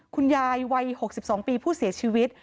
คุณยายวัย๖๒ปีผู้เสียชีวิต